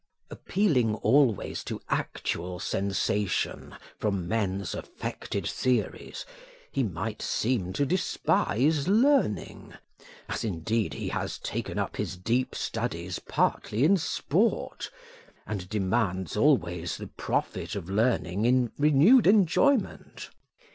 Appealing always to actual sensation from men's affected theories, he might seem to despise learning; as, indeed, he has taken up his deep studies partly in sport, and demands always the profit of learning in renewed enjoyment.